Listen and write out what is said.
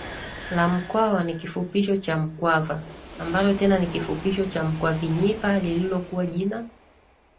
la Mkwawa ni kifupisho cha Mukwava ambalo tena ni kifupisho cha Mukwavinyika lililokuwa jina